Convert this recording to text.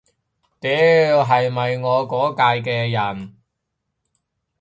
屌，係咪我嗰屆嘅人